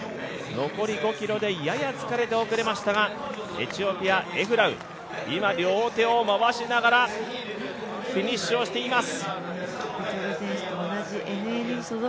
残り５分でやや疲れて遅れましたがエチオピア・エフラウ今両手を回しながらフィニッシュをしています。